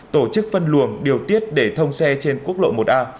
tổ chức phân luồng điều tiết để thông xe trên quốc lộ một a